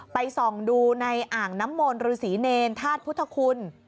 ส่องดูในอ่างน้ำมนต์ฤษีเนรธาตุพุทธคุณ